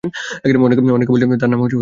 অনেকে বলেছেন তার নাম দা'আদ।